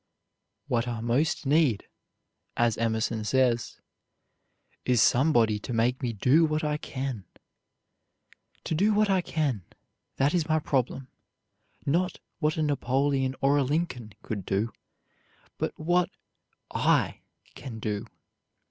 "What I most need," as Emerson says, "is somebody to make me do what I can." To do what I can, that is my problem; not what a Napoleon or a Lincoln could do, but what I can do.